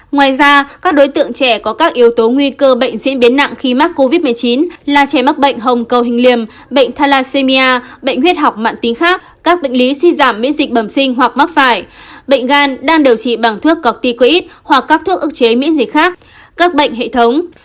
ngoài ra các đối tượng trẻ có các yếu tố nguy cơ bệnh diễn biến nặng khi mắc covid một mươi chín là trẻ mắc bệnh hồng cầu hình liềm bệnh thalassemia bệnh huyết học mạng tính khác các bệnh lý suy giảm miễn dịch bẩm sinh hoặc mắc phải bệnh gan đang điều trị bằng thuốc cọc ti quỹ hoặc các thuốc ức chế miễn dịch khác các bệnh hệ thống